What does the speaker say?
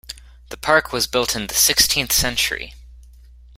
The park was built in the sixteenth century.